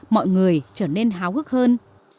mọi người trở nên háo hức hơn